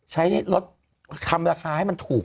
ใช้รถทำราคาให้มันถูก